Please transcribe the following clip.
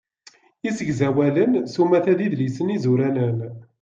Isegzawalen s umata d idlisen izuranen.